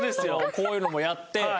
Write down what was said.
こういうのもやって。